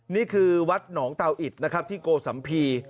นี่คือวัดหนองเตาอิดนะครับที่โกสัมภีร์